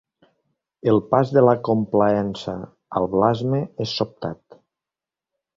El pas de la complaença al blasme és sobtat.